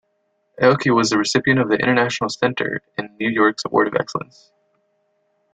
Aoki was the recipient of The International Center in New York's Award of Excellence.